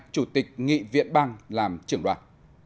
chủ tịch nghị viện bang làm trưởng đoàn